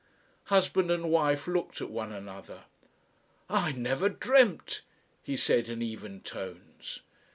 Husband and wife looked at one another. "I never dreamt," he said in even tones.